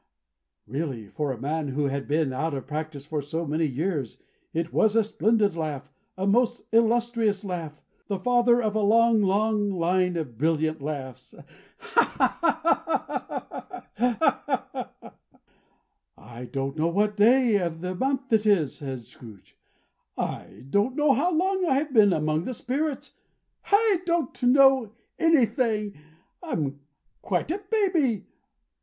Really, for a man who had been out of practice for so many years, it was a splendid laugh, a most illustrious laugh. The father of a long, long line of brilliant laughs! "I don't know what day of the month it is," said Scrooge. "I don't know how long I have been among the Spirits. I don't know anything. I'm quite a baby.